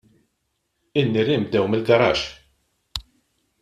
In-nirien bdew mill-garaxx.